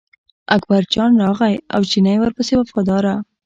اکبرجان راغی او چینی ورپسې و وفاداره.